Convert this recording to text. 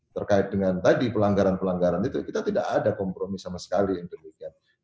terkait dengan tadi pelanggaran pelanggaran itu kita tidak ada kompromi sama sekali demikian